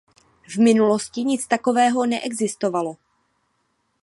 V minulosti nic takového neexistovalo.